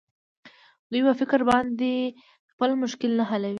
دوى په فکر باندې خپل مشکل نه حلوي.